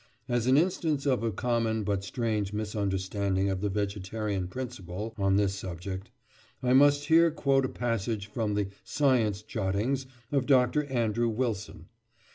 As an instance of a common but strange misunderstanding of the vegetarian principle on this subject, I must here quote a passage from the "Science Jottings" of Dr. Andrew Wilson.